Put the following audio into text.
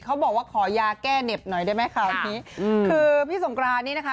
เขาบอกว่าขอยาแก้เหน็บหน่อยได้ไหมข่าวนี้คือพี่สงกรานนี้นะคะ